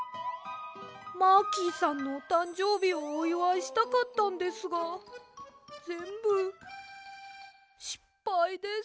マーキーさんのおたんじょうびをおいわいしたかったんですがぜんぶしっぱいです。